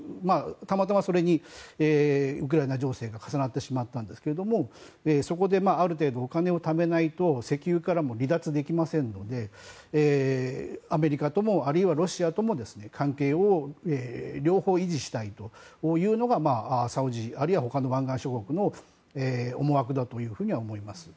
たまたま、それにウクライナ情勢が重なってしまったんですけれどもそこで、ある程度お金を貯めないと石油からも離脱できませんのでアメリカともあるいはロシアとも関係を両方維持したいというのがサウジ、あるいは他の湾岸諸国の思惑だというふうには思います。